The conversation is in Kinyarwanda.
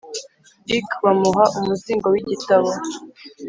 lk bamuha umuzingo w igitabo